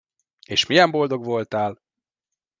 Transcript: És milyen boldog voltál!